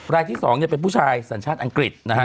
รายที่๒เป็นผู้ชายสัญชาติอังกฤษนะฮะ